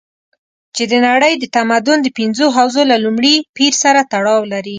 چې د نړۍ د تمدن د پنځو حوزو له لومړي پېر سره تړاو لري.